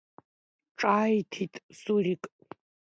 Ҿааиҭит Зурик.